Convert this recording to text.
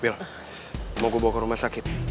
wil mau gue bawa ke rumah sakit